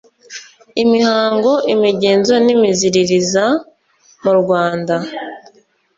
imihango imigenzo n'imiziririza mu rwanda